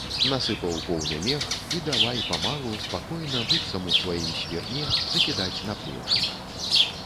Насыпаў поўны мех і давай памалу, спакойна, быццам у сваім свірне, закідаць па плечы.